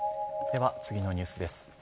では次のニュースです。